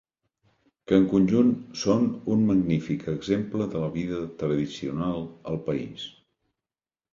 Que en conjunt són un magnífic exemple de la vida tradicional al país.